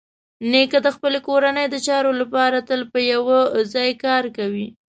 نیکه د خپلې کورنۍ د چارو لپاره تل په یوه ځای کار کوي.